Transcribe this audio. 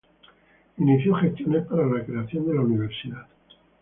Inició gestiones para la creación de la universidad.